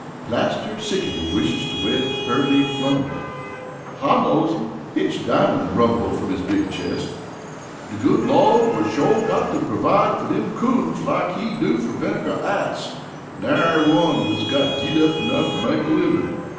"Plaster Sickety wishes to wed Pearline Flunder." "I knows 'em," Hitch Diamond rumbled from his big chest. "De good Lawd will shore got to pervide fer dem coons like He do fer Vinegar Atts nary one is got git up enough to make a livin'."